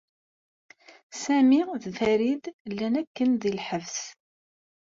Sami d Farid llan akken di lḥebs.